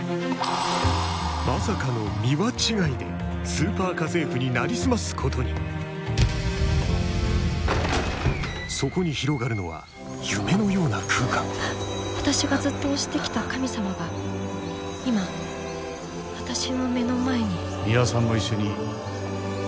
まさかの「ミワ」違いで「スーパー家政婦」になりすますことにそこに広がるのは夢のような空間私がずっと推してきた神様が今私の目の前にミワさんも一緒にこの船に乗りませんか？